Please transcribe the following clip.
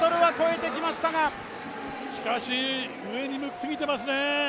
しかし上に向きすぎてますね。